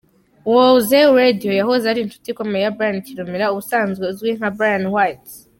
Mowzey Radio yahoze ari inshuti ikomeye ya Brian Kirumira ubusanzwe uzwi nka Bryan White.